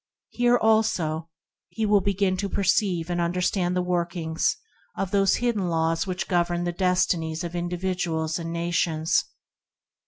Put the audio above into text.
Here, also, he will begin to perceive and understand the working of the hidden laws that govern the destinies of indi viduals and of nations.